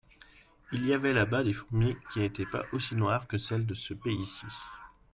Il y avait là-bas des fourmis qui n'étaient pas aussi noires que celles de ce pays-ci.